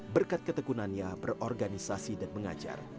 berkat ketekunannya berorganisasi dan mengajar